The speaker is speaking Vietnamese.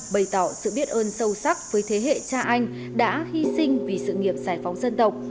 bày tỏ sự biết ơn sâu sắc với thế hệ cha anh đã hy sinh vì sự nghiệp giải phóng dân tộc